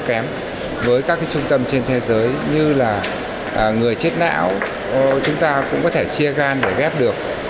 tuy nhiên một trong những rào cản khiến tất cả các trung tâm trên thế giới như là người chết não chúng ta cũng có thể chia gan để ghép được